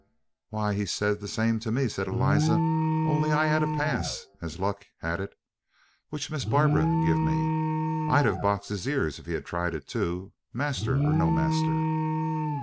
"Why, he said the same to me," said Eliza, "only I had a pass, as luck had it, which Miss Barbara give me. I'd ha' boxed his ears if he'd tried it, too, master or no master!"